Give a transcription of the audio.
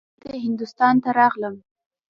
دلته هندوستان ته راغلم.